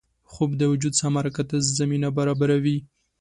خوب د وجود سم حرکت ته زمینه برابروي